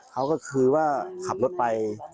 เขาก็คือว่าขับรถไป